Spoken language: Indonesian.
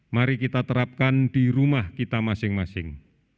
mari kita terapkan di rumah kita masing masing